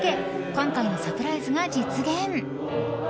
今回のサプライズが実現。